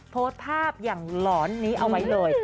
โพสต์ภาพอย่างหลอนนี้เอาไว้เลย